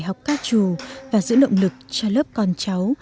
học ca trù và giữ động lực cho lớp con cháu